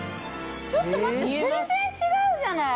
ちょっと待って全然違うじゃない！